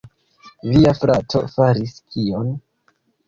"Via frato faris kion?"